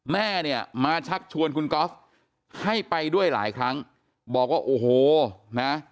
แม่เนี่ยมาชักชวนคุณก๊อฟให้ไปด้วยหลายครั้งบอกว่าโอ้โหนะ